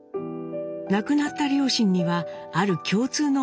亡くなった両親にはある共通の思いがあったといいます。